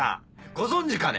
ご存じかね？